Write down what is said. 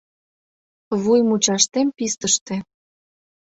Вуй мучаштем пистыште